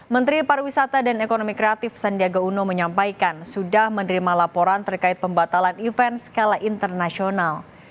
menteri pariwisata dan ekonomi kreatif sandiaga uno menyampaikan sudah menerima laporan terkait pembatalan event skala internasional